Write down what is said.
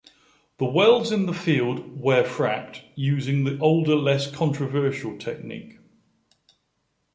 The wells in the field where fracked using the older less controversial technique.